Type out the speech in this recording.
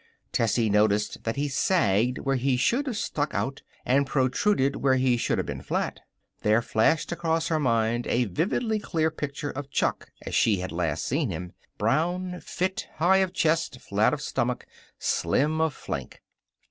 Tessie noticed that he sagged where he should have stuck out, and protruded where he should have been flat. There flashed across her mind a vividly clear picture of Chuck as she had last seen him brown, fit, high of chest, flat of stomach, slim of flank.